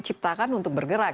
iya diciptakan untuk bergerak